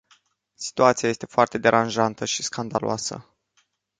Situația este foarte deranjantă și scandaloasă.